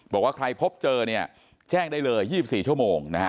บอกว่าใครพบเจอเนี่ยแจ้งได้เลย๒๔ชั่วโมงนะฮะ